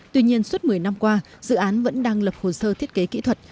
tuy nhiên suốt một mươi năm qua dự án vẫn đang lập hồ sơ thiết kế kỹ thuật